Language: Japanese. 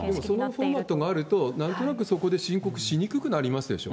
そのフォーマットがあると、なんとなく、そこで申告しにくくなりますでしょ？